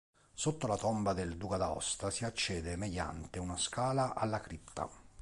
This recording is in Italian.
Sotto la tomba del duca d'Aosta si accede mediante una scala alla cripta.